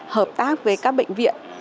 hợp tác với các bệnh viện